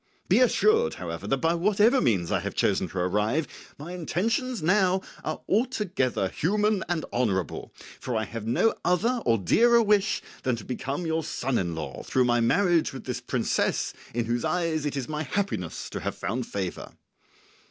Be assured, however, that by whatever means I have chosen to arrive, my intentions now are altogether human and honourable; for I have no other or dearer wish than to become your son in law through my marriage with this princess in whose eyes it is my happiness to have found favour."